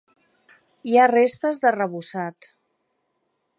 Hi ha restes d'arrebossat.